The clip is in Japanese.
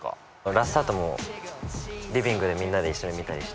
『ＬＡＳＴＡＲＴ』もリビングでみんなで一緒に見たりして。